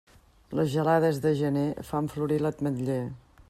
Les gelades de gener fan florir l'ametller.